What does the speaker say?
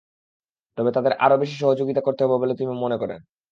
তবে তাদের আরও বেশি সহযোগিতা করতে হবে বলে তিনি মনে করেন।